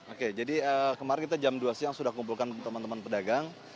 oke jadi kemarin kita jam dua siang sudah kumpulkan teman teman pedagang